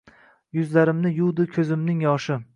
Yuzlarimni yuvdi ko‘zimning yoshi –